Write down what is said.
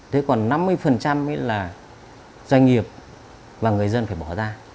thế còn năm mươi là doanh nghiệp và người dân phải bỏ ra